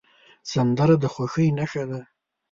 سندره د خوښۍ نښه ده